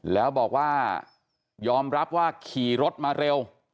แล้วบอกว่ายอมรับว่าขี่รถมาเร็ว